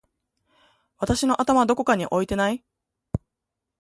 私の頭どこかに置いてない？！